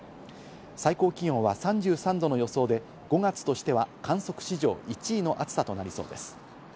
最高気温は３３度の予想で、５月としては観測史上１位の暑さとなりそうです。